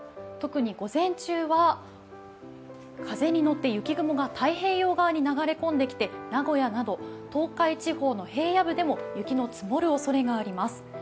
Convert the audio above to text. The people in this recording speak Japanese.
特に午前中は風に乗って雪雲が太平洋側に流れ込んできて名古屋など東海地方の平野部でも雪の積もるおそれがあります。